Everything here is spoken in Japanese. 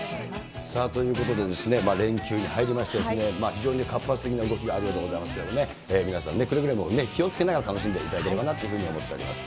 ということで、連休に入りまして、非常に活発的な動きがあるようでございますけどね、皆さんね、くれぐれも気をつけながら楽しんでいただければなというふうに思っております。